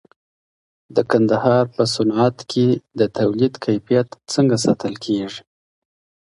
د کندهار په صنعت کي د تولید کیفیت څنګه ساتل کېږي؟